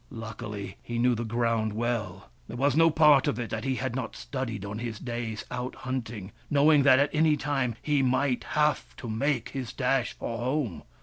Luckily, he knew the ground well — there was no part of it that he had not studied on his days out hunting, knowing that at any time he might have to make his dash for home.